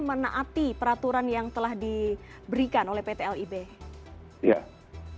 menaati peraturan yang telah diberikan oleh pt lib